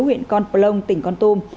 huyện con plông tỉnh con tung